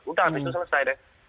udah habis itu selesai deh